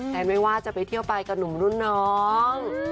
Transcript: แทนไม่ว่าจะไปเที่ยวไปกับหนุ่มรุ่นน้อง